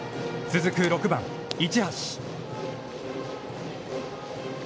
続く６番市橋。